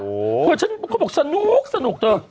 เพราะฉันเขาบอกสนุกเจอ